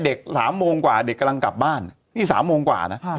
๓โมงกว่าเด็กกำลังกลับบ้านนี่๓โมงกว่านะ